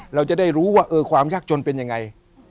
เราจะได้รู้ว่าความยากจนเป็นยังไง